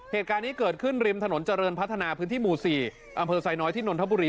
เหตุการณ์นี้เกิดขึ้นริมถนนเจริญพัฒนาพื้นที่หมู่๔อำเภอไซน้อยที่นนทบุรี